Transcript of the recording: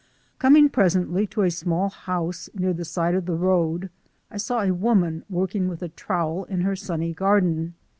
Coming presently to a small house near the side of the road, I saw a woman working with a trowel in her sunny garden.